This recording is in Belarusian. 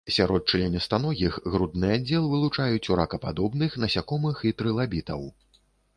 Сярод членістаногіх грудны аддзел вылучаюць у ракападобных, насякомых і трылабітаў.